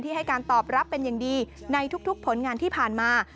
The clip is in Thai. ให้การตอบรับเป็นอย่างดีในทุกผลงานที่ผ่านมา